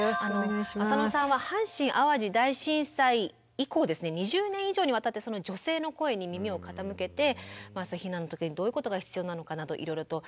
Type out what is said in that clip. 浅野さんは阪神・淡路大震災以降ですね２０年以上にわたって女性の声に耳を傾けて避難の時にどういうことが必要なのかなといろいろと。